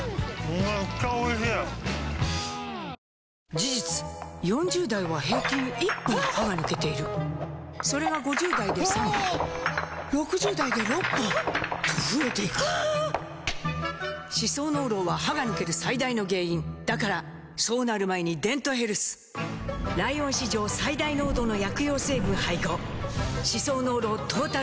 事実４０代は平均１本歯が抜けているそれが５０代で３本６０代で６本と増えていく歯槽膿漏は歯が抜ける最大の原因だからそうなる前に「デントヘルス」ライオン史上最大濃度の薬用成分配合歯槽膿漏トータルケア！